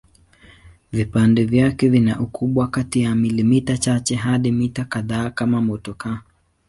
Vipande vyake vina ukubwa kati ya milimita chache hadi mita kadhaa kama motokaa.